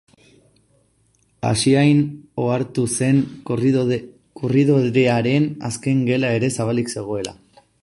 Asiain ohartu zen korridorearen azken gela ere zabalik zegoela.